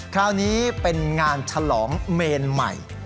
คราวนี้เป็นงานฉลองเมนใหม่